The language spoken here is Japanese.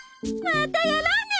またやろうね！